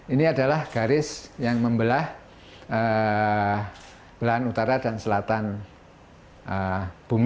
ini adalah garis yang membelah belahan utara dan selatan bumi